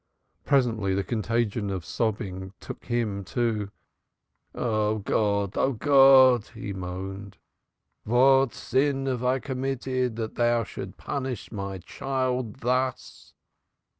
Presently the contagion of sobbing took him too. "O God! God!" he moaned. "What sin have I committed; that thou shouldst punish my child thus?"